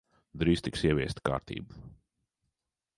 Drīz tiks ieviesta kārtība.